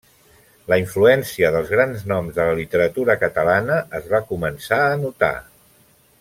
La influència dels grans noms de la literatura catalana es va començar a notar.